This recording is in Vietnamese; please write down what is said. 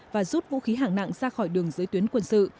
và rút vũ khí hạng nặng ra khỏi đường giới tuyến quân sự